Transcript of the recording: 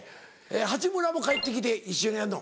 八村も帰って来て一緒にやんの？